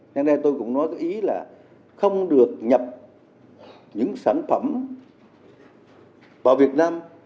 nên đây tôi cũng nói cái ý là không được nhập những sản phẩm vào việt nam